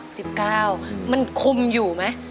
๑๙ปีมันคุมอยู่ไหม